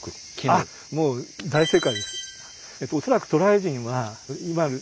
あっもう大正解です。